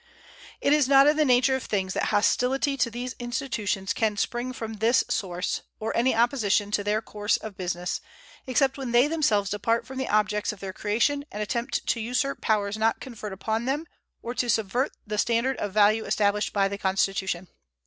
It is not in the nature of things that hostility to these institutions can spring from this source, or any opposition to their course of business, except when they themselves depart from the objects of their creation and attempt to usurp powers not conferred upon them or to subvert the standard of value established by the Constitution.